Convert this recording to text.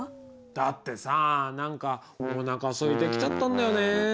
だってさ何かおなかすいてきちゃったんだよね。